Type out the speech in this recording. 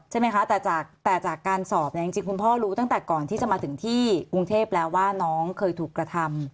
ใช่ไหมคะแต่จากการสอบเนี่ยจริงคุณพ่อรู้ตั้งแต่ก่อนที่จะมาถึงที่กรุงเทพแล้วว่าน้องเคยถูกกระทำ